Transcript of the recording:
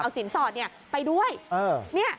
เอาสินสอดเนี่ยไปด้วย